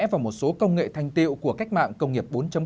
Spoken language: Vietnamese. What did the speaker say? vào một số công nghệ thanh tiệu của cách mạng công nghiệp bốn